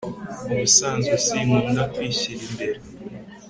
ubusanzwe sinkunda kwishyira imbere